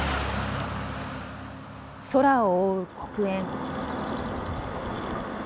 空を覆う黒煙。